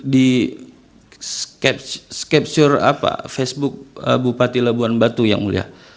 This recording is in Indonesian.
di skep skepsior apa facebook bupati lebuhan batu yang mulia